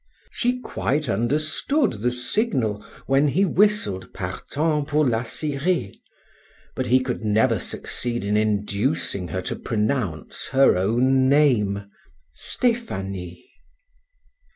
She quite understood the signal when he whistled Partant pour la Syrie, but he could never succeed in inducing her to pronounce her own name Stephanie.